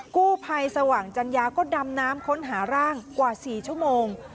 กู้ภัยสว่างจัญญาก็ดำน้ำค้นหาร่างกว่า๔ชั่วโมง